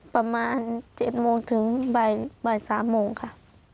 ประมาณ๗โมงถึงบ่าย๓โมงค่ะ